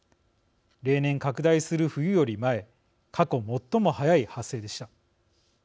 例年、拡大する冬より前過去、最も早い発生でした。